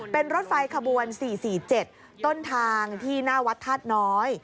เป็นรถไฟขบวน๔๔๗ต้นทางที่หน้าวัดธาตุน้อย